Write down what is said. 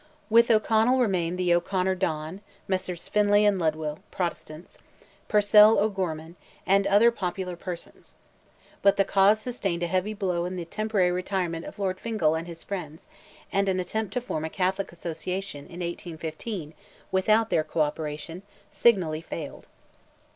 With O'Connell remained the O'Conor Don, Messrs. Finlay and Lidwell (Protestants), Purcell O'Gorman, and other popular persons. But the cause sustained a heavy blow in the temporary retirement of Lord Fingal and his friends, and an attempt to form a "Catholic Association," in 1815, without their co operation, signally failed.